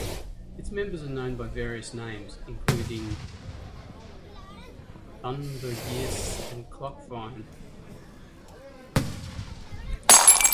Its members are known by various names, including thunbergias and clockvine.